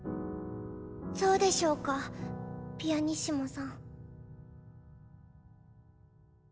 そうでしょうかピアニッシモさん。